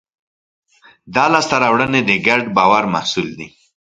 دا لاستهراوړنې د ګډ باور محصول دي.